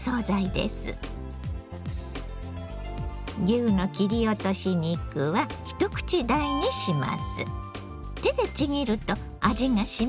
牛の切り落とし肉は一口大にします。